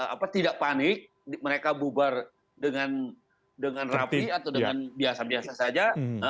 apa tidak panik mereka bubar dengan rapi atau dengan biasa biasa saja